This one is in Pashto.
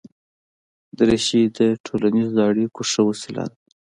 دریشي د ټولنیزو اړیکو ښه وسیله ده.